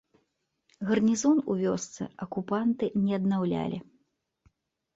Гарнізон у вёсцы акупанты не аднаўлялі.